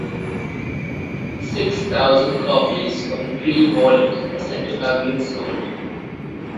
Six thousand copies of the three volumes are said to have been sold.